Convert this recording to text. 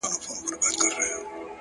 د زده کړې تنده پرمختګ چټکوي.!